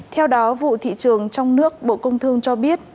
theo đó vụ thị trường trong nước bộ công thương cho biết